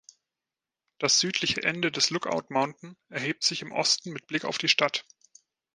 Das südliche Ende des Lookout Mountain erhebt sich im Osten mit Blick auf die Stadt.